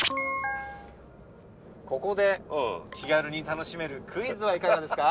「ここで気軽に楽しめるクイズはいかがですか？」